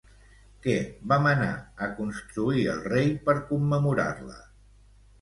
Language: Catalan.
Què va manar a construir el rei per commemorar-la?